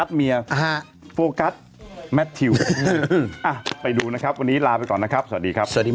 ใช่